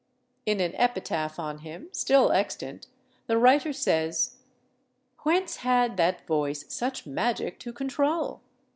In an epitaph on him, still extant, the writer says "Whence had that voice such magic to control?